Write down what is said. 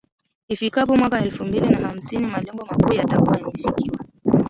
Ifikapo mwaka elfu mbili na hamsini, malengo makuu yatakua yamefikiwa.